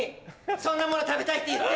そんなもの食べたいって言って！